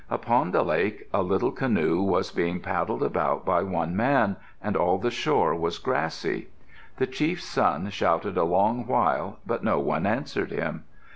Upon the lake a little canoe was being paddled about by one man, and all the shore was grassy. The chief's son shouted a long while but no one answered him.